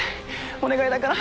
お願いだから。